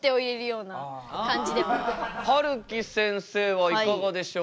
はるきせんせいはいかがでしょうか？